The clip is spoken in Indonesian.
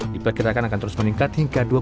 diperkirakan akan terus meningkat hingga dua puluh